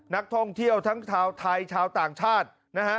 นักท่องเที่ยวทั้งชาวไทยชาวต่างชาตินะฮะ